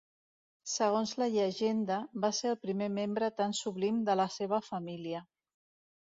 Segons la llegenda, va ser el primer membre tan sublim de la seva família.